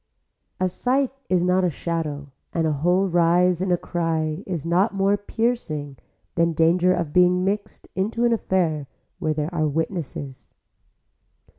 A sight is not a shadow and a whole rise in a cry is not more piercing than danger of being mixed into an affair where there are witnesses.